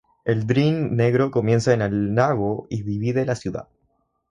El Drin Negro comienza en el lago y divide la ciudad.